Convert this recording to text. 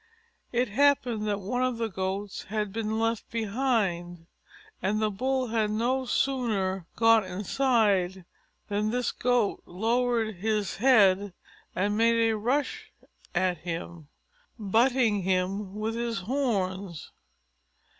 It happened that one of the Goats had been left behind, and the Bull had no sooner got inside than this Goat lowered his head and made a rush at him, butting him with his horns.